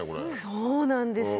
そうなんですよ